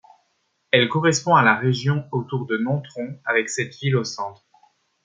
Elle correspond à la région autour de Nontron avec cette ville au centre.